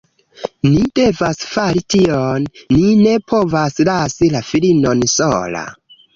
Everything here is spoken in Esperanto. Ni devas fari tion. Ni ne povas lasi la filinon sola.